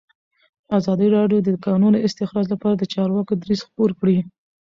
ازادي راډیو د د کانونو استخراج لپاره د چارواکو دریځ خپور کړی.